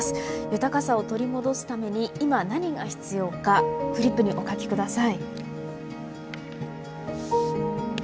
豊かさを取り戻すために今何が必要かフリップにお書きください。